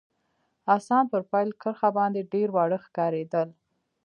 اسان پر پیل کرښه باندي ډېر واړه ښکارېدل.